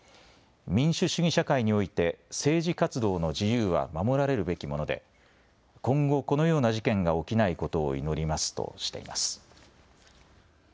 民主主義社会において政治活動の自由は守られるべきもので今後、このような事件が起きないことを祈りますとしています。